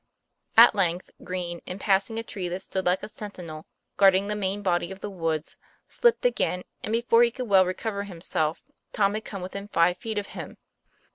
At length Green, in passing a tree that stood like a sentinel, guarding the main body of the woods, slipped again, and before he could well recover him self, Tom had come within five feet of him.